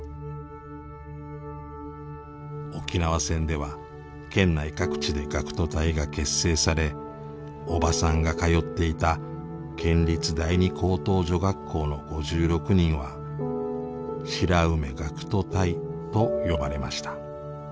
沖縄戦では県内各地で学徒隊が結成されおばさんが通っていた県立第二高等女学校の５６人は白梅学徒隊と呼ばれました。